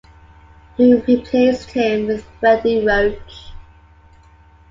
He replaced him with Freddie Roach.